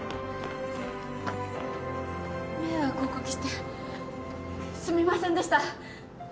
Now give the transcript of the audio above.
迷惑をお掛けしてすみませんでした。